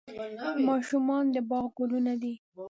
ماشومان د باغ ګلونه دي